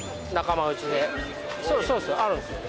そうですあるんすよね